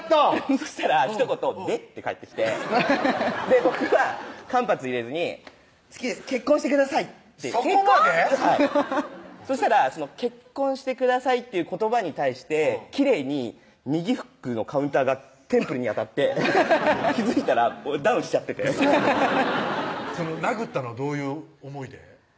そしたらひと言「で？」って返ってきて僕は間髪入れずに「好きです結婚してください」ってそこまで⁉そしたら「結婚してください」っていう言葉に対してきれいに右フックのカウンターがテンプルに当たって気付いたらダウンしちゃってて殴ったのはどういう思いで？